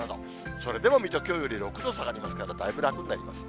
それでも水戸、きょうより６度下がりますから、だいぶ楽になります。